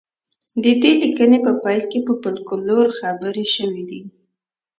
د دې لیکنې په پیل کې په فولکلور خبرې شوې دي